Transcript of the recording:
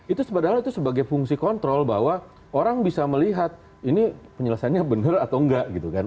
itu sepadahnya sebagai fungsi kontrol bahwa orang bisa melihat ini penyelesaiannya benar atau tidak